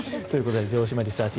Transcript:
城島リサーチ！